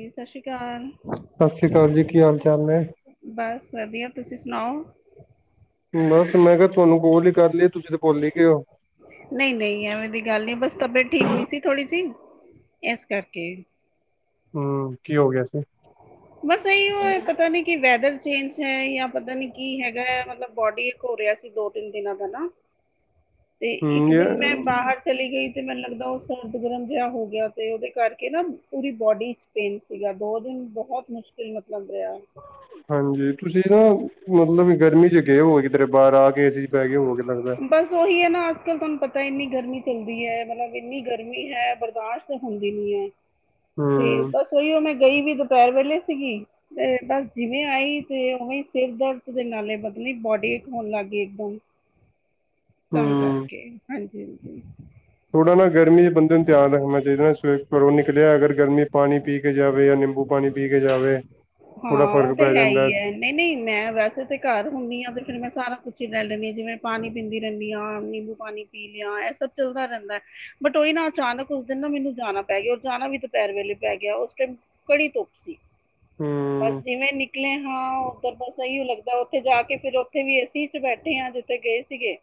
ਜੀ ਸ਼੍ਰੀ ਅਕਾਲ ਸ੍ਰੀ ਅਕਾਲ ਜੀ ਕੀ ਹਾਲ ਚਾਲ ਨੇ? ਬਸ ਵਧੀਆ ਤੁਸੀਂ ਸੁਨਾਓ? ਬਸ। ਮੈਂ ਕਿਹਾ ਤੁਹਾਨੂੰ ਕੋਲ ਹੀ ਕਰ ਲਈਏ ਤੁਸੀਂ ਤੇ ਭੁੱਲ ਹੀ ਗਏ ਹੋ ਨਹੀਂ-ਨਹੀਂ ਐਵੇਂ ਦੀ ਗੱਲ ਨੀ ਬਸ ਤਬੀਅਤ ਠੀਕ ਨੀ ਸੀ ਥੋੜ੍ਹੀ ਸੀ। ਇਸ ਕਰਕੇ। ਹੂੰਮ। ਕੀ ਹੋ ਗਿਆ ਸੀ? ਬਸ ਇਹੀਓ ਪਤਾ ਨੀ, ਕਿ ਵੈਦਰ ਚੇਂਜ ਹੈ, ਜਾਂ ਪਤਾ ਨੀ ਕੀ ਹੈਗਾ ਹੈ? ਮਤਲਬ ਬੋਡੀ,, ਹੋ ਰਿਹਾ ਦੋ ਤਿੰਨ ਦਿਨਾਂ ਦਾ ਨਾ ਤੇ [unintelligible] ਹਮ ਇੱਕ ਜ,,, ਦਿਨ ਮੈਂ ਬਾਹਰ ਚਲੀ ਗਈ, ਤੇ ਮੈਨੂੰ ਲੱਗਦਾ ਉਹ ਸਰਦ ਗਰਮ ਜਿਹਾ ਹੋ ਗਿਆ। ਤੇ ਉਹਦੇ ਕਰਕੇ ਨਾ ਪੂਰੀ ਬੋਡੀ, ਪੇਨ ਸੀਗਾ ਦੋ ਦਿਨ ਬਹੁਤ ਮੁਸ਼ਕਿਲ ਮਤਲਬ ਰਿਹਾ। [unintelligible] ਹਾਂਜੀ ਤੁਸੀਂ ਨਾ ਮਤਲਬ ਗਰਮੀ ਚ ਗਏ ਹੋ ਕਿਧਰੇ ਬਾਹਰ ਆ ਕੇ ਏ ਸੀ ਚ ਪੈ ਕੇ ਹੋ ਕੇ ਲੱਗਦਾ ਬਸ ਉਹੀ ਹੈ ਨਾ ਅੱਜ ਕੱਲ੍ਹ ਤੁਹਾਨੂੰ ਪਤਾ ਇੰਨੀ ਗਰਮੀ ਪੈਦੀ ਹੈ ਮਤਲਬ ਇੰਨੀ ਗਰਮੀ ਹੈ ਬਰਦਾਸ਼ਤ ਹੁੰਦੀ ਨੀ ਐ [inaudible] ਤੇ ਬਸ ਉਹੀ ਉਹ ਮੈਂ ਗਈ ਵੀ ਦੁਪਹਿਰ ਵੇਲੇ ਸੀਗੀ ਤੇ ਬਸ ਜਿਵੇਂ ਆਈ ਤੇ ਉਵੇਂ ਸਿਰ ਦਰਦ ਦੇ ਨਾਲੇ ਬਦਲੀ ਬੋਡੀ ਹੋਣ ਲੱਗ ਗਈ ਇਕਦਮ ਤਾ ਹਮ ਕਰਕੇ ਹਾਂਜੀ ਹਾਂਜੀ ਥੋੜਾ ਨਾ ਗਰਮੀ ਚ ਬੰਦੇ ਨੂੰ ਧਿਆਨ ਰੱਖਣਾ ਚਾਹੀਦਾ ਨਾ ਸਵੇਰੇ ਘਰੋਂ ਨਿਕਲਿਆ ਅਗਰ ਗਰਮੀ ਪਾਣੀ ਪੀ ਕੇ ਜਾਵੇ ਨਿੰਬੂ ਪਾਣੀ ਪੀ ਕੇ ਜਾਵੇ ਥੋੜ੍ਹਾ ਹਾਂ ਉਹ ਫ਼ਰਕ ਤੇ ਪੈ ਹੈ ਜਾਂਦਾ ਐ ਹੀ ਹੈ ਨਹੀਂ ਨਹੀਂ ਮੈਂ ਵੈਸੇ ਤਾਂ ਘਰ ਹੁੰਦੀ ਆ ਫਿਰ ਮੈਂ ਸਾਰਾ ਕੁੱਛ ਹੀ ਲੈ ਲੈਂਦੀ ਹਾਂ ਜਿਵੇਂ ਮੈਂ ਪਾਣੀ ਪੀਂਦੀ ਰਹਿੰਦੀ ਆ ਪਾਣੀ ਪੀ ਲਿਆ ਇਹ ਸਭ ਚੱਲਦਾ ਰਹਿੰਦਾ ਹੈ ਕੋਈ ਨਾ ਅਚਾਨਕ ਉਸ ਦਿਨ ਨਾ ਮੈਨੂੰ ਜਾਣਾ ਪੈ ਗਿਆ ਜਾਣਾ ਵੀ ਦੁਪਹਿਰ ਵੇਲੇ ਪੈ ਗਿਆ ਉਸ ਟਾਈਮ ਬੜੀ ਧੁੱਪ ਸੀ ਹਮ ਬਸ ਜਿਵੇਂ ਨਿਕਲ ਨਿਕਲੇ ਹਾਂ ਉਧਰ ਬਸ ਸਹੀ ਲੱਗਦਾ ਉੱਥੇ ਜਾ ਕੇ ਫਿਰ ਵੀ ਏਸੀ ਚ ਬੈਠੇ ਜਿੱਥੇ ਗਏ ਸੀਗੇ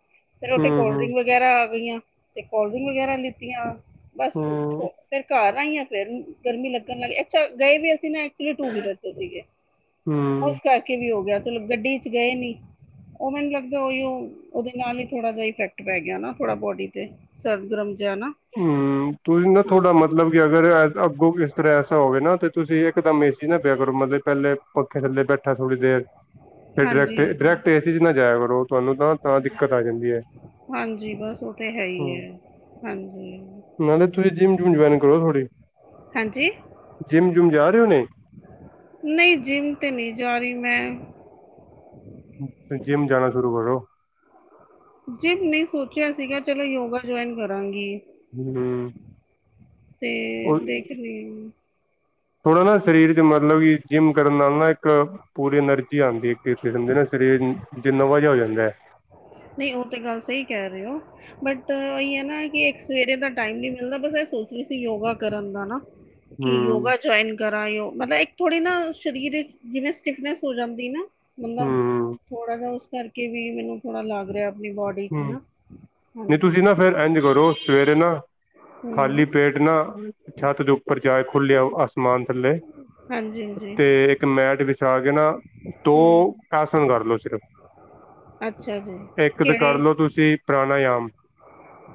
ਫਿਰ ਉੱਥੇ ਹਮ ਕੋਲ ਹਮ ਡਰਿੰਕ ਵਗੈਰਾ ਆ ਗਈਆਂ ਤੇ ਕੋਲਡ ਡਰਿੰਕ ਵਗੈਰਾ ਲਿੱਤੀਆਂ ਬਸ ਹਮ ਫੇਰ ਘਰ ਆਈਆ ਮੈਂ ਫੇਿਰ ਗਰਮੀ ਲੱਗਣ ਵਾਲੀ ਅੱਛਾ ਗਏ ਵੀ ਅਸੀਂ ਨਾ ਐਕਚੁਲੀ ਟੂ ਵੀਲਰ ਚ ਸੀਗੇ [inaudible] ਉਸ ਕਰਕੇ ਵੀ ਹੋ ਗਿਆ ਚਲੋ ਗੱਡੀ ਚ ਗਏ ਨੀ ਉਹ ਮੈਨੂੰ ਲੱਗਦਾ ਉਈ ਉਹ ਓਦੇ ਨਾਲ ਹੀ ਥੋੜਾ ਜਿਹਾ ਇਫੈਕਟ ਪੈ ਗਿਆ ਨਾ ਥੋੜਾ ਬੋਡੀ ਤੇ ਸਰਦ ਗਰਮ ਜਾ ਨਾ ਹੂੰ, ਤੁਸੀਂ ਨਾ ਹਾਂ ਤੁਹਾਡਾ ਮਤਲਬ ਵੀ ਅਗਰ ਅੱਗੋਂ ਇਸ ਤਰ੍ਹਾਂ ਐਸਾ ਹੋਵੇ ਨਾ ਤਾਂ ਤੁਸੀਂ ਇੱਕਦਮ ਏ ਸੀ ਨਾ ਪਿਆ ਕਰੋ ਮਤਲਬ ਪਹਿਲੇ ਪੱਖੇ ਥੱਲੇ ਬੈਠਾ ਥੋੜ੍ਹੀ ਦੇਰ ਫਿਰ ਡਾਇਰੈਕਟ ਹਾਂਜੀ ਹਾਂਜੀ ਡਾਇਰੈਕਟ ਏ ਸੀ ਏ ਸੀ ਚ ਨਾ ਜਾਇਆ ਕਰੋ ਤੁਹਾਨੂੰ ਨਾ ਤਾਂ ਦਿੱਕਤ ਆ ਜਾਂਦੀ ਆ ਹਾਂਜੀ ਬਸ ਉਹ ਤਾਂ ਹੈ ਹੀ ਹੈ ਹਾਂਜੀ ਨਾਲੇ ਤੁਸੀਂ ਜਿੰਮ ਜੁੰਮ ਜਆਇਨ ਕਰੋ ਥੌੜੀ ਹਾਂਜੀ ਜਿੰਮ ਜੁਮ ਜਾ ਰਹੇ ਓ ਨੇ ਨਹੀਂ ਜਿੰਮ 'ਤੇ ਨਹੀਂ ਜਾ ਰਹੀ ਮੈਂ ਫਿਰ ਜਿੰਮ ਜਾਣਾ ਸ਼ੁਰੂ ਕਰੋ ਜਿੰਮ ਨਹੀਂ ਸੋਚਿਆ ਸੀਗਾ ਚਲੋ ਯੋਗਾ ਜੁਆਇਨ ਕਰਾਂਗੀ ਹੂੰਮ ਤੇ ਦਿਖ ਨੀ ਥੋੜ੍ਹਾ ਨਾ ਸਰੀਰ ਚ ਮਤਲਬ ਕਿ ਜਿੰਮ ਕਰਨ ਨਾਲ ਨਾ ਇੱਕ ਪੂਰੀ ਐਨਰਜੀ ਆਉਂਦੀ ਇੱਕ ਕਿਸਮ ਦੇ ਨਾ ਸਰੀਰ ਜਿੰਨਾ ਨਵਾ ਜਿਹਾ ਹੋ ਜਾਂਦਾ ਹੈ ਨਹੀਂ ਉਹ ਤੇ ਗੱਲ ਸਹੀ ਕਹਿ ਰਹੇ ਹੋ ਬਟ ਉਹੀ ਹੈ ਨਾ ਕਿ ਇੱਕ ਸਵੇਰੇ ਦਾ ਟਾਈਮ ਨਹੀਂ ਮਿਲਦਾ ਇਹ ਸੋਚ ਰਹੀ ਸੀ ਯੋਗਾ ਕਰਨ ਦਾ ਨਾਂ ਕੀ ਹੂੰ, ਯੋਗਾ ਜਵਾਇਨ ਕਰਾ ਲਓ, ਮਤਲਬ ਇੱਕ ਥੋੜੇ ਨਾ, ਸ਼ਰੀਰ 'ਚ ਜਿਵੇ ਸਿਟਫਨਸ ਹੋ ਜਾਂਦੀ ਨਾ। ਮਨਾ, ਹੂੰ, ਥੋੜਾ ਜਾ ਉਸ ਕਰਕੇ ਵੀ ਮੈਨੂੰ ਥੋੜਾ ਲੱਗ ਰੇਆ। ਹੂੰ, ਨੀ ਤੁਸੀਂ ਨਾ ਫੇਰ ਐੰਜ ਕਰੋ, ਸਵੇਰੇ ਨਾ ਖਾਲੀ ਹੂੰ ਪੇਟ ਨਾ, ਛੱਤ ਦੇ ਉੱਪਰ ਜਾਏ, ਖੁੱਲੇ ਅਸਮਾਨ ਥੱਲੇ। ਹਾਂਜੀ ਹਾਂਜੀ 'ਤੇ ਇੱਕ ਮੈਟ ਵਿਛਾ ਕੇ ਨਾ, ਦੋ ਹੂੰ ਆਸਨ ਕਰਲੋ, ਸਿਰਫ। ਅੱਛਾ ਜੀ। ਇੱਕ ਤਾਂ ਕਿਹੜੇ ਕਰਲਓ ਤੁਸੀਂ, ਪਰਾਨਾਯਾਮ।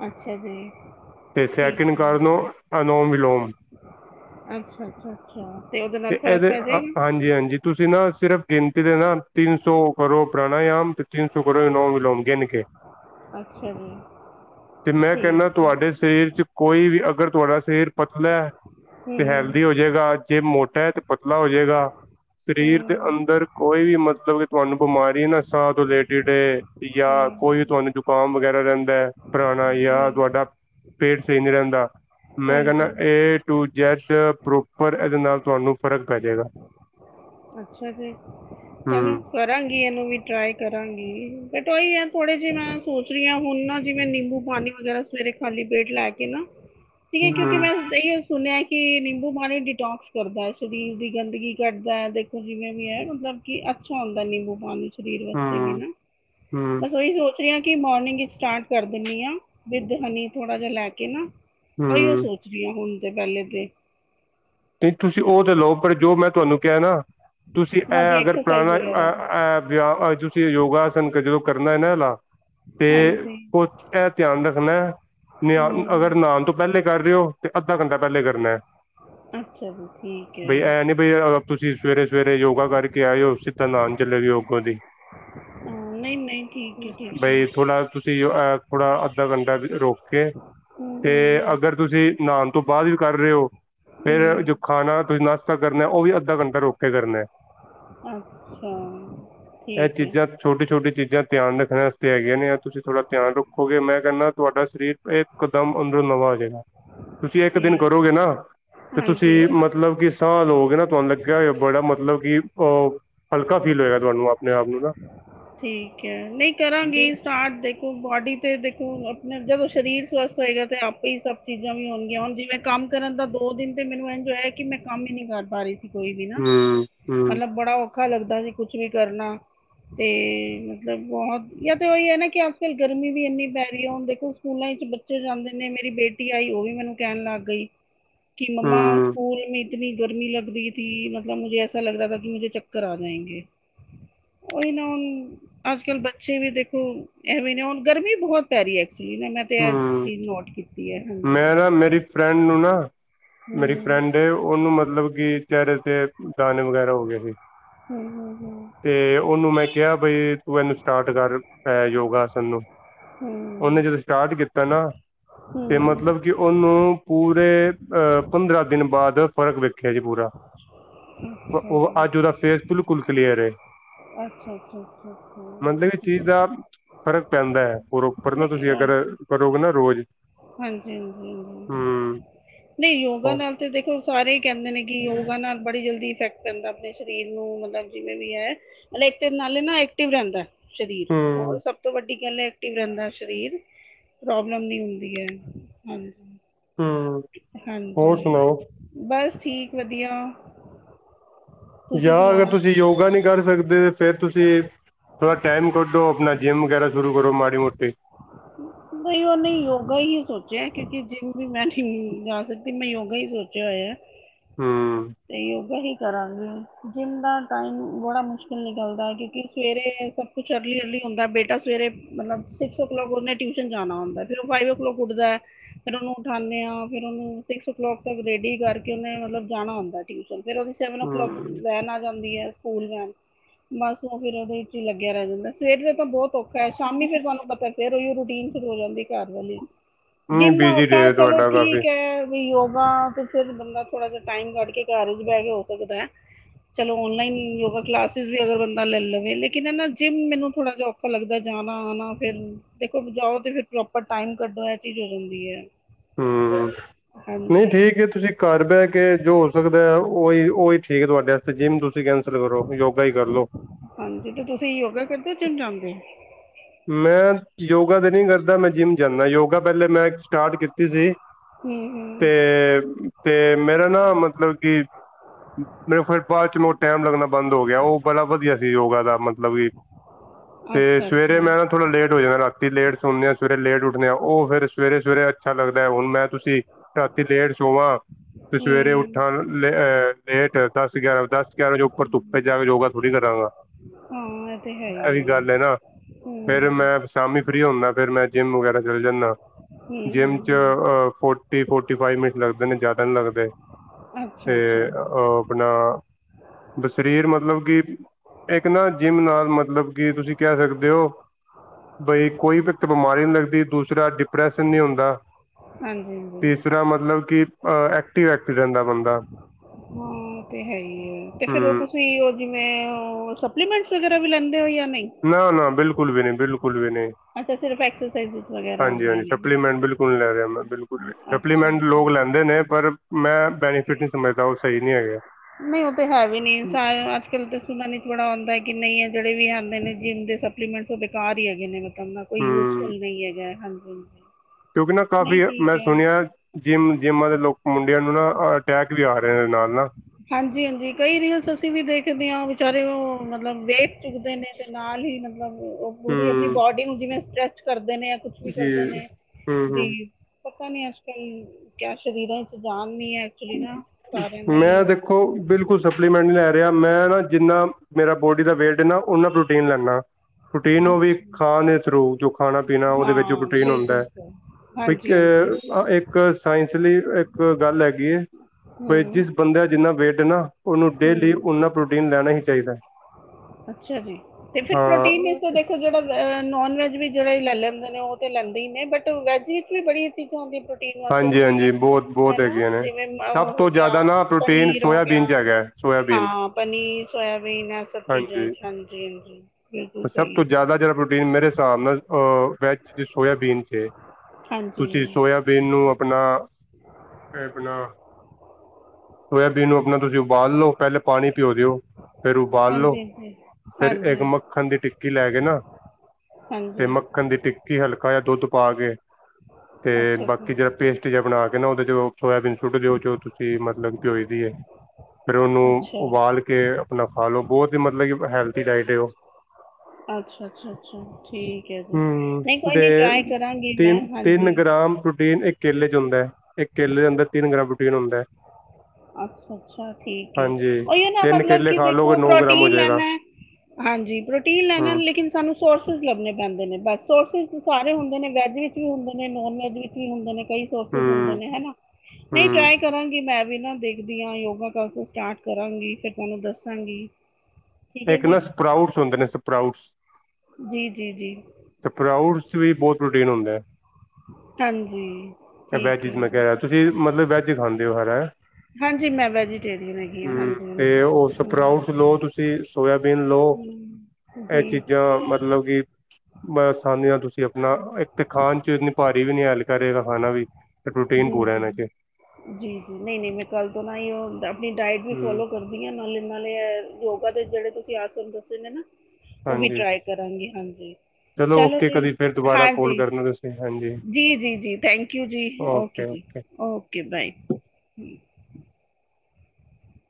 ਅੱਛਾ ਜੀ। 'ਤੇ ਠੀਕ ਸੈਕਿੰਡ ਹੈ ਕਰਲੋ, ਅਨੋਮ-ਵਿਲੋਮ। ਅੱਛਾ ਅੱਛਾ ਅੱਛਾ ਉਹਦੇ ਨਾਲ 'ਤੇ ਫ਼ਰਕ ਏਦੇ ਪੈ ਜਾਏਗਾ ਹਾਂਜੀ-ਹਾਂਜੀ, ਤੁਸੀਂ ਨਾ ਸਿਰਫ ਗਿਨਤੀ ਦੇ ਨਾ ਤਿੰਨ ਸੌ ਕਰੋ ਪ੍ਰਾਣਯਮ, ਤੇ ਤਿੰਨ ਸੌ ਕਰੋ ਇਨੋਮ-ਵਿਲੋਮ, ਗਿਆ ਅੱਛਾ ਜੀ। 'ਤੇ ਮੈਂ ਕੈੰਨਾ, ਠੀਕ ਹੈ ਤੁਹਾਡੇ ਸਰੀਰ 'ਚ ਕੋਈ ਵੀ ਅਗਰ ਤੁਹਾਡਾ ਸਰੀਰ ਪਤਲੈ ਹੂੰ 'ਤੇ ਹੈਲਦੀ ਹੋ ਜੇਗਾ। ਜੇ ਮੋਟਾ ਏ ਤੇ ਪਤਲਾ ਹੋ ਜੇਗਾ, ਹੂੰ ਸਰੀਰ ਦੇ ਅੰਦਰ ਕੋਈ ਵੀ ਮਤਲਬ, ਤੁਹਾਨੂੰ ਬਿਮਾਰੀ ਏ ਨਾ, ਸਾਹ ਤੋਂ ਲੈ ਕੇ 'ਤੇ ਯਾ ਹੂੰ ਕੋਈ ਹੂੰ ਤੁਹਾਨੂੰ ਜ਼ੁਕਾਮ ਵਗੈਰਾ ਰੈਂਦਾ, ਪੁਰਾਣਾ ਯਾ ਤੁਹਾਡਾ ਪੇਟ ਸਹੀ ਨੀ ਰੈਂਦਾ। ਮੈਂ ਕੈਂਨਾ, ਹਾਂਜੀ ਏ-ਟੂ, ਜ਼ੈਡ ਪ੍ਰੋਪਰ ਏਦੇ ਨਾਲ ਤੁਹਾਨੂੰ ਫ਼ਰਕ ਪੈ ਜੇਗਾ। [inaudible] ਅੱਛਾ ਜੀ, ਚਲੋ। ਕਰਾਂਗੀ, ਇਨੂੰ ਵੀ ਟਰਾਈ ਕਰਾਂਗੀ। ਬਟ ਓਈ ਏ ਥੋੜੇ ਜੇਅ ਮੈਂ ਸੋਚ ਰੀ ਆ ਹੁਨ ਨਾ, ਜਿਵੇਂ ਨਿੰਬੂ ਪਾਨੀ ਵਗੈਰਾ ਸਵੇਰੇ ਖਾਲੀ ਪੇਟ ਲੈ ਕੇ ਨਾ, ਠੀਕ ਏ? ਹੂੰ ਕਿਉਂਕਿ ਮੈਂ ਅਈਓ ਸੁਨਿਐ ਕਿ ਨਿੰਬੂ ਪਾਨੀ ਡਿਟੋਕਸ ਕਰਦਾ ਏ, ਸਰੀਰ ਦੀ ਗੰਦਗੀ ਕਢੱਦਾ ਐ, ਦੇ। ਜਿਵੇਂ ਵੀ ਐ, ਮਤਲਬ ਕੀ ਅੱਛਾ ਹੁੰਦੈ ਨਿੰਬੂ ਪਾਨੀ? ਸਰੀਰ ਵਾਸਤੇ ਵੀ ਹੂੰ ਨਾ, ਹੂੰ ਬਸ ਓਹੀ ਸੋਚ ਏਅ ਐ ਕਿ, ਮੋਰਨਿੰਗ 'ਚ ਸਟਾਰਟ ਕਰ ਦਿੰਨੀ ਆ, ਵਿਦ ਹਨੀ ਥੋੜ੍ਹਾ ਜੇਆ ਲੈ ਕੇ ਨਾ? ਓਈਓ, ਹੂੰ ਸੋਚ ਰੀ ਆ ਹੁਨ 'ਤੇ ਪੈਲੇ 'ਤੇ। 'ਤੇ ਤੁਸੀਂ ਓਹ 'ਤੇ ਲਓ, ਪਰ ਜੋ ਮੈਂ ਤੁਹਾਨੂੰ ਕੇਐ ਨਾ ਤੁਸੀਂ ਐ, ਹਾਂਜੀ ਅਗਰ ਐਕਸਰਸਾਈਜ਼ ਪੁਰਾਨਾ ਵਗੈਰਾ ਆ, ਐ ਵਿਆਹ ਅੱਜ ਤੁਸੀਂ ਯੋਗਾਸਨ ਜਦੋਂ ਕਰਨੈ ਐ ਲਾ, 'ਤੇ ਹਾਂਜੀ ਐਹ ਧਿਆਨ ਰੱਖਨੈ ਨਿਆਨ ਅਗਰ ਹਮ ਨ੍ਹਾਨ ਤੋਂ ਪੈਲੇ ਕਰ ਰੇ ਓ, 'ਤੇ ਅੱਧਾ ਘੰਟਾ ਪੈਲੇ ਕਰਨੈ। ਅੱਛਾ ਜੀ, ਠੀਕ ਏ। ਏਅ ਨਾ ਹੋਵੇ ਤੁਸੀ ਸਵੇਰੇ-ਸਵੇਰੇ ਯੋਗਾ ਕਰਕੇ ਆਏ ਓ, ਸਿੱਧਾ ਨ੍ਹਾਨ ਚੱਲੇ ਯੋਗੋਂ ਦੀ ਹਾਂ, ਨਹੀਂ ਨਹੀਂ ਠੀਕ ਹੈ ਠੀਕ ਹੈ ਬਾਈ, ਥੋੜਾ ਤੁਸੀਂ ਅ ਐ ਥੋੜ੍ਹਾ ਅੱਧਾ ਘੰਟਾ ਰ ਰੁਕ ਕੇ ਹੂੰ। 'ਤੇ ਅਗਰ ਤੁਸੀਂ ਨਹਾਨ ਤੋਂ ਬਾਦ ਵੀ ਕਰ ਰਏ ਓ ਫਿਰ ਹਮ, ਜੋ ਖਾਨਾ ਤੁਸੀਂ ਨਾਸ਼ਤਾ ਕਰਨੈ, ਉਹ ਵੀ ਅੱਧਾ ਘੰਟਾ ਰੁਕ ਕੇ ਕਰਨੈ। ਹਾਂ, ਠੀਕ ਐ। ਛੋਟੀ-ਛੋਟੀ ਚੀਜ਼ਾਂ ਧਿਆਨ ਰੱਖਨ ਵਾਸਤੇ ਹੈਗੀਆਂ ਨੇ, ਐ ਤੁਸੀਂ ਥੋੜ੍ਹਾ ਧਿਆਨ ਰੱਖੋਗੇ, ਮੈਂ ਕੈਂਨਾ ਤੁਹਾਡਾ ਸ਼ਰੀਰ ਇੱਕ ਦਮ ਅੰਦਰੋ ਨਵਾ ਆਜੇਗਾ। ਤੁਸੀਂ ਇੱਕ ਦਿਨ ਠੀਕ ਕਰੋਗੇ ਨਾ, 'ਤੇ ਹਾਂਜੀ ਤੁਸੀਂ ਮਤਲਬ ਕਿ ਤਾਂ ਲੋਗ ਨਾ ਤੁਹਾਨੂੰ ਲੱਗੇਆ ਬੜਾ, ਮਤਲਬ ਕਿ ਓ ਹਲਕਾ ਫੀਲ ਹੋਏਗਾ ਤੁਹਾਨੂੰ, ਆਪਨੇ-ਆਪ ਨੂੰ ਨਾ। ਠੀਕ ਏ, ਨਈਂ ਕਰਾਂਗੀ ਸਟਾਰਟ ਦਖ ਹੁਨ ਬੋਡੀ ਤੇ ਦੇਖੋ ਆਪਣੇ ਜਦੋਂ ਸਰੀਰ ਸਵਸਥ ਹੋਏਗਾ ਤੇ ਆਪੇ ਹੀ ਸਭ ਚੀਜ਼ਾਂ ਵੀ ਹੋਣਗੀਆਂ ਹੁਣ ਜਿਵੇਂ ਕੰਮ ਕਰਨ ਦਾ ਦੋ ਦਿਨ ਤੇ ਮੈਨੂੰ ਇੰਝ ਹੋਆ ਕਿ ਮੈਂ ਕੰਮ ਈ ਨਈ ਕਰ ਪਾ ਰਈ। ਕੋਈ ਵੀ ਨਾ ਹੂੰ ਹੂੰ ਮਤਲਬ ਬੜਾ ਔਖਾ ਲੱਗਦਾ ਜੀ ਕੁਛ ਵੀ ਕਰਨਾ। ਤੇ ਮਤਲਬ ਬੋਤ ਜਾਂ ਤਾਂ ਵਹੀ ਹੈ ਨਾ ਕਿ ਅੱਜ ਕੱਲ੍ਹ ਗਰਮੀ ਵੀ ਇੰਨੀ ਪੈ ਰਈ ਐ ਹੁਣ ਦੇਖੋ ਸਕੂਲਾਂ 'ਚ ਬੱਚੇ ਜਾਂਦੇ ਨੇ ਮੇਰੀ ਬੇਟੀ ਆਈ ਓ ਵੀ ਮੈਨੂੰ ਕੈਣ ਲੱਗ ਗਈ। [inaudible] ਕਿ ਮੰਮਾ ਹੂੰ ਸਕੂਲ ਮੇਂ ਇਤਨੀ ਗਰਮੀ ਲਗ ਰਈ ਥੀ ਮਤਲਬ ਮੁਝੇ ਐਸਾ ਲਗ ਰਆ ਕਿ ਮੁਝੇ ਚੱਕਰ ਆ ਜਾਏਂਗੇ। ਉਈ ਨਾ ਉਨ ਅੱਜ ਕੱਲ੍ਹ ਬੱਚੇ ਵੀ ਦੇਖੋ ਐਵੇਂ ਵੀ ਨੇ ਹੁਣ ਗਰਮੀ ਬਹੁਤ ਪੈ ਰਈ ਏ ਐਕਚੁਲੀ ਨਾ ਮੈਂ ਤੇ ਐ ਹੂੰ ਚੀਜ਼ ਨੋਟ ਕੀਤ ਮੈਂ ਨਾ ਮੇਰੀ ਫਰੈਂਡ ਨੂੰ ਨਾ ਮੇਰੀ ਹੂੰ, ਫਰੈਂਡ ਤੇ ਉਨੂੰ ਮਤਲਬ ਕਿ ਚਿਹਰੇ ਤੇ ਦਾਣੇ ਵਗੈਰਾ ਹੋ ਗਏ ਸੀ ਹੂੰ, ਤੇ ਉਨੂੰ ਮੈਂ ਕਿਆ ਬਈ ਤੂੰ ਏਨੂੰ ਸਟਾਰਟ ਕਰ ਪੈ ਯੋਗਾਸਨ ਨੂੰ ਉਨੇ ਹੂੰ, ਜਦੋਂ ਸਟਾਰਟ ਕੀਤਾ ਨਾ ਹੂੰ, ਤੇ ਹੂੰ, ਮਤਲਬ ਕਿ ਉਨੂੰ ਪੂਰੇ ਅਹ ਪੰਦਰਾਂ ਦਿਨ ਬਾਦ ਫ਼ਰਕ ਵੇਖਿਆ ਜੀ ਪੂਰਾ ਪ ਅੱਛਾ ਓ ਜੀ, ਅੱਜ ਫੇਸ ਉਦਾ ਬਿਲਕੁਲ ਕਲੀਅਰ ਏ। ਅੱਛਾ, ਅੱਛਾ, ਅੱਛਾ, ਮਤਲਬ ਐ ਅੱਛਾ ਚੀਜ਼ ਠੀਕ ਦਾ ਹੈ ਫ਼ਰਕ ਪੈਂਦੈ ਪਰੋਪਰ ਨਾ ਤੁਸੀਂ ਅਗਰ ਕਰੋਗੇ ਨਾ ਰੋਜ਼ ਹਾਂਜੀ-ਹਾਂਜੀ ਹੂੰ ਨਈ ਯੋਗਾ ਨਾਲ ਤੇ ਦੇਖੋ ਸਾਰੇ ਈ ਕੈਂਦੇ ਨੇ ਕਿ ਯੋਗਾ ਨਾਲ ਬੜੀ ਜਲਦੀ ਇਫੈਕਟ ਪੈਂਦਾ ਆਪਣੇ ਸਰੀਰ ਨੂੰ ਮਲਬ ਜਿਵੇਂ ਵੀ ਐ ਮਤਲਬ ਨਾਲੇ ਨਾ ਐਕਟਿਵ ਰੈਂਦਾ। ਸਰੀਰ ਹੋਰ ਹੂੰ ਸਭ ਤੋਂ ਵੱਡੀ ਗੱਲ ਐਕਟਿਵ ਰੈਂਦਾ ਸਰੀਰ ਪ੍ਰੋਬਲਮ ਨਈ ਹੁੰਦੀ। ਵਧੀਆ ਹਾਂਜੀ। ਹੂੰ ਹੋਰ ਹਾਂਜੀ ਸੁਣਾਓ ਬਸ ਠੀਕ ਵਧੀਆ ਤੁਸੀਂ ਜਾਂ ਅਗਰ ਸੁਣਾਓ ਤੁਸੀਂ ਯੋਗਾ ਨਈ ਕਰ ਸਕਦੇ ਫਿਰ ਤੁਸੀਂ ਥੋੜ੍ਹਾ ਟਾਈਮ ਕੱ ਢੋ ਆਪਣਾ ਜਿੰਮ ਵਗੈਰਾ ਸ਼ੁਰੂ ਕਰੋ ਮਾੜੀ ਮੋਟੀ ਨਈ ਉਨੇ ਯੋਗਾ ਈ ਸੋਚਿਆ ਕਿਉਂਕਿ ਜਿਨ ਵੀ ਮੈਂ ਮ ਜਾ ਸਕਦੀ ਮੈਂ ਯੋਗਾ ਈ ਸੋਚਿਆ ਹੋਇਆ ਹੂੰ ਤੇ ਯੋਗਾ ਹੀ ਕਰਾਂਗੀ ਜਿੰਮ ਦਾ ਟਾਈਮ ਬੜਾ ਮੁਸ਼ਕਿਲ ਨਿਕਲਦਾ ਕਿਉਂਕਿ ਸਵੇਰੇ ਸਭ ਕੁਛ ਅਰਲੀ ਅਰਲੀ ਹੁੰਦਾ ਬੇਟਾ ਸਵੇਰੇ ਮਤਲਬ ਸੀਕਸ ਕਲੋਕ ਉਨੇ ਟਵੀਸ਼ਨ ਜਾਣਾ ਹੁੰਦਾ ਫਿਰ ਓ ਫਾਈਵ ਓ ਕਲੋਕ ਉੱਠਦਾ। ਫੇਰ ਉਨੂੰ ਉਠਾਂਨੇ ਆ ਫੇਰ ਉਨੂੰ ਸਿਕਸ ਓ ਕਲੋਕ ਤੱਕ ਰੇਡੀ ਕਰਕੇ ਉਨੇ ਮਤਲਬ ਜਾਣਾ ਹੁੰਦਾ ਟਿਊਸ਼ਨ ਫਿਰ ਓ ਸੈਵਨ ਓ ਕਲੋਕ ਹੂੰ ਵੈਨ ਆ ਜਾਂਦੀ ਐ। ਸਕੂਲ ਜਾਣ ਬਸ ਓ ਫੇਰ ਉਦੇ 'ਚ ਈ ਲੱਗਿਆ ਰੈ ਜਾਂਦਾ ਸਵੇਰ ਦਾ ਤਾਂ ਬੋਤ ਭੁੱਖ ਹੈ ਸ਼ਾਮੀ ਫਿਰ ਤੁਹਾਨੂੰ ਪਤਾ ਫਿਰ ਉਈ ਰੂਟੀਨ ਸ਼ੁਰੂ ਹੋ ਜਾਂਦੀ। ਘਰ ਵਾਲੇ ਹੂੰ ਜਿਮ ਨਾਲ ਬਿਜੀ ਔਖਾ ਡੇ ਚਲੋ ਤੁਹਾਡਾ ਕਾਫੀ ਠੀਕ ਐ। ਵੀ ਯੋਗਾ ਤੇ ਫਿਰ ਬੰਦਾ ਥੋੜਾ ਜਿਹਾ ਟਾਇਮ ਕੱਢ ਕੇ ਘਰ 'ਚ ਬੈ ਕੇ ਹੋ ਸਕਦਾ ਐ। ਚਲੋ ਔਨਲਾਈਨ ਯੋਗਾ ਕਲਾਸਿਸ ਵੀ ਅਗਰ ਬੰਦਾ ਲੱਲ ਲਵੇ ਲੇਕਿਨ ਨਾ ਜਿੰਮ ਮੈਨੂੰ ਥੋੜਾ ਜਿਹਾ ਔ ਔਖਾ ਲੱਗਦਾ ਜਾਣ ਆਣਾ ਫਿਰ ਦੇਖੋ ਜਾਓ ਤੇ ਫਿਰ ਪ੍ਰੋਪਰ ਟਾਈਮ ਕੱਢੋ ਐ ਚੀਜ਼ ਹੋ ਜਾਂਦੀ ਐ। ਹੂੰ ਨਈ ਠੀਕ ਏ ਤੁਸੀਂ ਘਰ ਬੈ ਕੇ ਜੋ ਹੋ ਸਕਦਾ ਉਹੀ-ਉਹੀ ਠੀ ਠੀਕ ਹੈ ਤੁਹਾਡੇ ਅਸਤੇ ਜਿੰਮ ਤੁਸੀਂ ਕੈਂਸਲ ਕਰੋ ਯੋਗਾ ਈ ਕਰਲੋ। ਹਾਂਜੀ ਤੇ ਤੁਸੀਂ ਯੋਗਾ ਕਰਦੇ ਹੋ ਜਿੰਮ ਜਾਂਦੇ ਓ। ਮੈਂ ਯੋਗਾ ਕਦੇ ਨਹੀਂ ਕਰਦਾ ਮੈਂ ਜਿੰਮ ਜਾਂਦਾ ਯੋਗਾ ਪਹਿਲੇ ਮੈਂ ਸਟਾਰਟ ਕੀਤੀ ਸੀ। ਹੂੰ ਹੂੰ ਤੇ, ਤੇ ਮੇਰਾ ਨਾ ਮਤਲਬ ਕੀ ਮੈਂ ਫਿਰ ਬਾਅਦ ਟੈਮ ਲੱਗਣਾ ਬੰਦ ਹੋ ਗਿਆ ਉਹ ਬੜਾ ਵਧੀਆ ਸੀ ਯੋਗਾ ਦਾ ਮਤਲਬ ਵੀ। ਤੇ ਅੱਛਾ ਸਵੇਰ। ਅੱਛਾ ਥੋੜਾ ਲੇਟ ਹੋ ਜਾਣਾ ਰਾਤੀ ਲੇਟ ਸੁਣਨ ਹਾਂ ਸਵੇਰੇ ਲੇਟ ਉੱਠਣੇ ਹਾਂ ਉਹ ਫਿਰ ਸਵੇਰੇ- ਸਵੇਰੇ ਅੱਛਾ ਲੱਗਦਾ ਹੁਣ ਮੈਂ ਤੁਸੀਂ। ਰਾਤੀ ਲੇਟ ਸੋਵਾ ਤੇ ਸਵੇਰੇ ਹੂੰ ਉੱਠਣ ਲਹ ਲੇਟ ਦਸ ਗਿਆਰਾਂ ਵਜੇ ਉੱਪਰ ਤੋਂ। ਜਾ ਕੇ ਯੋਗਾ ਥੋੜੀ ਕਰਾਂਗਾ ਹਾਂ ਇਹ ਤੇ ਹੈ ਇਹ ਹੀ ਵੀ ਗੱਲ ਹੈ ਨਾ। ਹੂੰ, ਫੇਰ ਮੈਂ ਸ਼ਾਮੀ ਫ੍ਰੀ ਹੁੰਦਾ ਫਿਰ ਮੈਂ ਜਿੰਮ ਵਗੈਰਾ ਚਲਾ ਜਾਂਨਾ। ਹੂੰ, ਜਿੰਮ ਹੂੰ, ਚ ਹੂੰ। ਫੋਟੀ, ਫੋਟੀ ਫਾਈਵ ਮਿੰਟ ਲੱਗਦੇ ਨੇ ਜ਼ਿਆਦਾ ਨਹੀਂ ਲੱਗਦੇ। ਤੇ ਅੱਛਾ-ਅੱਛਾ, ਉਹ ਆਪਣਾ ਬ ਸਰੀਰ ਮਤਲਬ ਕੀ ਇੱਕ ਨਾ ਜਿੰਮ ਨਾਲ ਮਤਲਬ ਕੀ ਤੁਸੀਂ ਕਹਿ ਸਕਦੇ ਦਿਓ ਬਈ ਕੋਈ ਵੀੱਤ ਬਿਮਾਰੀ ਨਹੀਂ ਲੱਗਦੀ ਦੂਸਰਾ ਡਿਪਰੈਸ਼ਨ ਨਹੀਂ ਹੁੰਦਾ। ਹਾਂਜੀ, ਹਾਂਜੀ। ਤੀਸਰਾ ਮਤਲਬ ਕਿ ਅਹ ਐਕਟਿਵ -ਐਕਟ ਰਹਿੰਦਾ ਬੰਦਾ। ਹਾਂ, ਉਹ ਤਾਂ ਹੈ ਹੀ ਹੈ ਅਤੇ ਫਿਰ ਉਹ ਹੂੰ ਤੁਸੀਂ ਉਹ ਜਿਵੇਂ ਸਪਲੀਮੈਂਟਸ ਵਗੈਰਾ ਵੀ ਲੈਂਦੇ ਹੋ ਜਾਂ ਨਹੀਂ? ਨਾ- ਨਾ ਬਿਲਕੁਲ ਵੀ ਨਹੀਂ ਬਿਲਕੁਲ ਵੀ ਨਹੀਂ। ਅਤੇ ਸਿਰਫ ਐਕਸਸਾਈਜ ਵਗੈਰਾ ਹੁੰਦੀਆਂ ਨੇ। ਹੁਣ ਲੈਂਦੇ ਬਿਲਕੁਲ ਵੀ ਨਹੀਂ ਸਪਲੀਮੈਂਟ ਅੱਛਾ-ਅੱਛਾ। ਲੋਕ ਲੈਂਦੇ ਨੇ। ਪਰ ਮੈਂ ਬੈਨੀਫਿਟ ਨੀ ਸਮਝਦਾ। ਉਹ ਸਹੀ ਨਹੀਂ ਹੈਗੇ ਨਹੀਂ ਉਹ ਤਾਂ ਹੈ ਵੀ ਨੀ‌। ਸਾਰੇ ਅੱਜ ਕੱਲ੍ਹ ਤਾਂ ਉਨਾ ਨੇ ਬੜਾ ਆਉਂਦਾ ਐ। ਕਿ ਨਹੀਂ ਹੈ ਜਿਹੜੇ ਵੀ ਹੈਉਦੇ ਨੇ ਜਿੰਮ ਦੇ ਸਪਲੀਮੈਂਟਸ ਉਹ ਬੇਕਾਰ ਹੀ ਐਗੇ ਨੇ। ਕਰਨਾ ਕੋਈ ਹੂੰ ਯੂਜਫੁਲ ਨਹੀਂ ਹੈਗਾ। ਹਾਂਜੀ-ਹਾਂਜੀ ਕਿਉਂਕਿ ਨਾ ਕਾਫ਼ੀ ਨਹੀਂ ਠੀਕ ਮੈਂ ਹੈ। ਸੁਣਿਆ ਜਿੰਮ-ਜਿੰਮਾਂ ਦੇ ਲੋਕ ਮੁੰਡਿਆਂ ਨੂੰ ਨਾ ਅਟੈਕ ਵੀ ਆ ਰਹੇ ਨਾਲ-ਨਾ ਹਾਂਜੀ-ਹਾਂਜੀ ਕਈ ਰੀਲਸ ਅਸੀਂ ਵੀ ਦੇਖਦੇ ਹਾਂ। ਵਿਚਾਰੇ ਉਹ ਮਤਲਬ ਵੇ ਚੁੱਕਦੇ ਨੇ ਤੇ ਨਾਲ ਹੀ ਮਤਲਬ ਉਹ ਪੂਰੀ ਆਪਣੀ ਹੂੰ ਬੋਡੀ ਨੂੰ ਜਿਵੇਂ ਸਟ੍ਰੈਚ ਕਰਦੇ ਨੇ ਕੁ ਕੁਛ ਵੀ ਕਰਦੇ ਜੀ ਨੇ ਹੂੰ ਜੀ ਹੂੰ ਪਤਾ ਨੀ ਅੱਜਕੱਲ ਕਿਆ ਸਰੀਰਾਂ ਚ ਜਾਨ ਨੀ ਐ। ਮੈਂ ਦੇਖੋ ਬਿਲਕੁਲ ਸਪਲੀਮੈਂਟ ਲੈ ਰਿਹਾ। ਮੈਂ ਨਾ ਜਿੰਨਾ ਮੇਰਾ ਬੋਡੀ ਦਾ ਵੇਟ ਨਾ ਉਹਨਾ ਪ੍ਰੋਟੀਨ ਲੈਂਨਾ‌। ਪ੍ਰੋਟੀਨ ਉਹ ਵੀ ਖਾਣ ਦੇ ਥਰੂ ਜੋ ਖਾਣਾ-ਪੀਣਾ ਉਹਦੇ ਵਿੱਚ ਹਾਂ ਪ੍ਰੋਟੀਨ ਹੁੰਦਾ ਬਿਲਕੁਲ ਹੈ। ਸਹੀ, ਹਾਂਜੀ, ਹਾਂਜੀ, ਇੱਕ-ਇੱਕ ਸਾਇੰਸ ਲਈ ਇੱਕ ਗੱਲ ਹੈਗੀ। ਹੂੰ, ਜਿਸ ਬੰਦੇ ਦਾ ਜਿੰਨਾ ਵੇਟ ਨਾ ਉਹਨੂੰ ਡੇਲੀ ਹੂੰ। ਓਨਾ ਪ੍ਰੋਟੀਨ ਲੈਣਾ ਹੀ ਚਾਹੀਦਾ ਹੈ। ਅੱਛਾ ਜੀ ਤੇ ਫਿਰ ਪ੍ਰੋਟੀਨ ਇਸ ਹਾਂ ਦੇਖੋ‌ ਜਿਹੜਾ ਨੋਨ ਵੈੱਜ ਵੀ ਜਿਹੜਾ ਹੀ ਲੈ ਲੈਂਦੇ ਨੇ। ਉਹ ਤਾਂ ਲੈਂਦੇ ਹੀ ਨੇ ਬਟ ਵੈੱਜ ਵਿੱਚ ਵੀ ਬੜੀਆਂ ਚੀਜ਼ਾਂ ਹੁੰਦੀਆਂ ਪ੍ਰੋਟੀਨ ਵਾਸਤੇ ਤੇ ਜਿਵੇਂ ਹਾਂਜੀ-ਹਾਂਜੀ ਹੈ ਬਹੁਤ-ਬਹੁਤ ਨਾ ਹੈਗੀਆਂ ਨੇ। ਜਿਵੇਂ ਮ- ਉਹ ਸਭ ਹੋ ਤੋਂ ਗਿਆ ਜ਼ਿਆਦਾ ਨਾ ਪ੍ਰੋਟੀਨ ਪਨੀਰ ਹੋ ਗਿਆ ਸੋਇਆਬੀਨ 'ਚ ਹੈਗਾ। ਸੋਇਆਬੀਨ ਹਾਂ ਪਨੀਰ, ਸੋਇਆਬੀਨ ਇਹ ਸਭ ਚੀਜ਼ਾਂ ਹਾਂਜੀ ਹਾਂਜੀ-ਹਾਂਜੀ। ਸਭ ਤੋਂ ਜ਼ਿਆਦਾ ਜਿੜਾ ਪ੍ਰੋਟੀਨ ਮੇਰੇ ਹਿਸਾਬ ਨਾਲ ਅ ਵੈਜ ਜਾ ਸੋਇਆਬੀਨ ਚ' ਹਾਂਜੀ ਤੁਸੀਂ ਸੋਇਆਬੀਨ ਨੂੰ ਆਪਣਾ, ਆਪਣਾ ਸੋਇਆਬੀਨ ਨੂੰ ਆਪਣਾ ਤੁਸੀਂ ਉਬਾਲ ਲਓ। ਪਹਿਲੇ ਪਾਣੀ ਪਿਓ ਦਿਓ। ਫਿਰ ਉਬਾਲ ਲਓ। ਹਾਂਜੀ ਹਾਂਜੀ ਫਿਰ ਇੱਕ ਹਾਂਜੀ ਮੱਖਣ ਦੀ ਟਿੱਕੀ ਲੈ ਕੇ ਨਾ ਤੇ ਮ ਹਾਂਜੀ ਮੱਖਣ ਦੀ ਟਿੱਕੀ ਹਲਕਾ ਜਿਹਾ ਦੁੱਧ ਪਾ ਕੇ ਤੇ ਅੱਛਾ ਜੀ ਬਾਕੀ ਜਿਹੜਾ ਪੇਸਟ ਜਿਹਾ ਬਣਾ ਕੇ ਪਹਿਲਾਂ ਉਹਦੇ ਚ ਸੋਇਆਬੀਨ ਸੁੱਟ ਦਿਓ। ਜੋ ਤੁਸੀਂ ਮਤਲਬ ਭਿਓਈ ਦੀ ਐ। ਫਿਰ ਉਹਨੂੰ ਅੱਛਾ ਉਬਾਲ ਕੇ ਕੇ ਆਪਣਾ ਖਾ ਲੋ ਬਹੁਤ ਮਤਲਬ ਹੈਲਥੀ ਡਾਇਟ ਏ ਉਹ ਅੱਛਾ-ਅੱਛਾ-ਅੱਛਾ, ਠੀਕ! ਹੈ ਜੀ ਹੰ, ਨਹੀਂ ਕੋਈ ਨਹੀਂ ਦੇ ਟਰਾਈ ਕਰਾਂਗੀ ਮੈਂ ਤਿੰਨ-ਤਿੰਨ ਹਾਂਜੀ ਗ੍ਰਾਮ ਪ੍ਰੋਟੀਨ ਇੱਕ ਕੇਲੇ ਚ ਹੁੰਦੈ। ਇੱਕ ਕੇਲੇ ਦੇ ਅੰਦਰ ਤਿੰਨ ਗ੍ਰਾਮ ਪ੍ਰੋਟੀਨ ਹੁੰਦੈ। ਅੱਛਾ-ਅੱਛਾ, ਠੀਕ ਐ। ਹਾਂਜੀ ਉਹੀਓ ਨਾ ਤਿੰਨ ਮਤਲਬ ਕੇਲੇ ਕਿ ਖਾ ਲੋਗੇ ਦੇਖੋ ਨੌ ਗ੍ਰਾਮ ਹੋ ਪ੍ਰੋਟੀਨ ਜਾਏਗਾ। ਲੈਨੈ ਹਾਂਜੀ! ਪ੍ਰੋਟੀਨ ਲੈਨੈ, ਹੂੰ ਲੇਕਿਨ ਸਾਨੂੰ ਸੋਰਸਿਸ ਲੱਭਣੇ ਪੈਂਦੇ ਨੇ। ਬਸ ਸੋਰਸਿਸ ਸਾਰੇ ਹੁੰਦੇ ਨੇ, ਵੈੱਜ ਵਿੱਚ ਵੀ ਹੁੰਦੇ ਨੇ, ਨੋਨ ਵੈੱਜ ਵਿੱਚ ਵੀ ਹੁੰਦੇ ਨੇ। ਕਈ ਸੋਰਸਿਜ ਹੁੰਦੇ ਹੂੰ ਨੇ ਹਨਾ। ਨਈਂ ਹੂੰ ਟਰਾਈ ਕਰਾਂਗੀ ਮੈਂ ਵੀ ਨਾ ਦੇਖਦੀ ਆਂ, ਯੋਗਾ ਕਲ ਤੋਂ ਸਟਾਟ ਕਰਾਂਗੀ ਫਿਰ ਤੁਹਾਨੂੰ ਦੱਸਾਂਗੀ। ਠੀਕ ਹੈ ਇੱਕ ਜੀ ਨਾ ਸਪ੍ਰਾਊਟਸ ਹੁੰਦੇ ਨੇ ਸਪ੍ਰਾਊਟਸ! ਜੀ-ਜੀ-ਜੀ। ਸਪਰਾਊਟਸ ਵੀ ਬੋਤ ਪ੍ਰੋਟੀਨ ਹੁੰਦੈ। ਹਾਂਜੀ ਵੈਜ ਠੀਕ ਇਚ ਹੈ ਮੇਂ ਕੈ ਰਿਆ, ਤੁਸੀਂ ਮਤਲਬ ਵੈਜ ਖਾਂਦੇ ਓ ਹਨਾ! ਹਾਂਜੀ ਮੈਂ ਵੈਜੀਟੇਰੀਅਨ ਹੈਗੀ ਆ, ਹਾਂਜੀ-ਹਾਂਜੀ, ਹਾਂਜੀ। ਲੋ ਤੁਸੀਂ ਸੋਇਆਬੀਨ ਲੋ, ਹਮ, ਐ ਜੀ ਚੀਜ਼ਾਂ ਮਤਲਬ ਕਿ ਬਸ ਅਸਾਨੀ ਨਾਲ ਤੁਸੀਂ ਆਪਣਾ, ਇੱਕ ਤੇ ਖਾਣ ਚ ਇਨੀ ਭਾਰੀ ਵੀ ਨੀਂ ਹੱਲਕਾ ਰੇਗਾ ਖਾਣਾ ਵੀ। ਪ੍ਰੋਟੀਨ ਪੂਰਾ ਜੀ-ਜੀ, ਇਹਨਾਂ ਚ ਜੀ-ਜੀ, ਨਈਂ-ਨਈਂ ਮੈਂ ਕੱਲ ਤੋਂ ਨਾ ਈ ਓ ਆਪਣੀ ਡਾਇਟ ਵੀ ਹੂੰ ਫੋਲੋ ਕਰ ਨਈ ਐ ਨਾਲੇ-ਨਾਲੇ ਐ ਯੋਗਾ ਦੇ ਜੇੜੇ ਤੁਸੀਂ ਆਸਣ ਦੱਸੇ ਨੇ ਨਾ, ਓ ਵੀ ਹਾਂਜੀ ਟਰਾਈ ਕਰਾਂਗੇ, ਹਾਂਜੀ। ਚਲੋ ਓਕੇ ਜੀ, ਕਦੀ ਫਿਰ ਦੁਬਾਰਾ ਕੋਲ ਹਾਂਜੀ! ਕਰਨਾ ਤੁਸੀਂ ਹਾਂਜੀ ਜੀ-ਜੀ-ਜੀ, ਥੈਂਕ ਯੂ ਜੀ, ਓਕੇ ਜੀ। Okay, bye. ਹੂੰ!